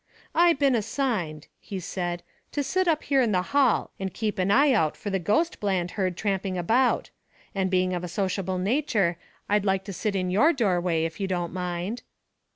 "I been assigned," he said, "to sit up here in the hall and keep an eye out for the ghost Bland heard tramping about. And being of a sociable nature, I'd like to sit in your doorway, if you don't mind."